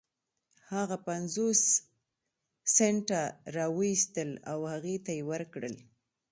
هغه پنځوس سنټه را و ايستل او هغې ته يې ورکړل.